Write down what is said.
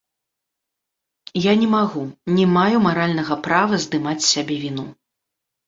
Я не магу, не маю маральнага права здымаць з сябе віну.